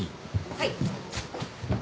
はい。